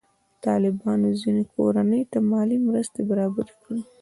طالبانو ځینې کورنۍ ته مالي مرستې برابرې کړي.